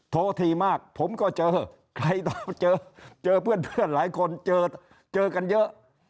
โถทีมากผมก็เจอใครต้องเจอเจอเพื่อนหลายคนเจอเจอกันเยอะ